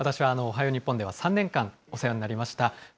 私はおはよう日本では３年間お世話になりました。